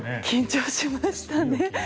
緊張しましたね。